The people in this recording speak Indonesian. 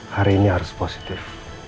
hari ini harus positif